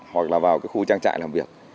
hoặc là vào khu trang trại làm việc